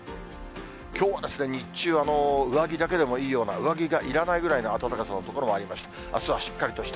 きょうはですね、日中、上着だけでもいいような、上着がいらないような暖かさの所もありました。